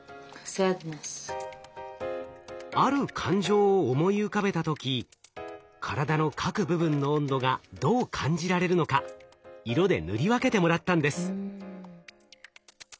ある感情を思い浮かべた時体の各部分の温度がどう感じられるのか色で塗り分けてもらったんです。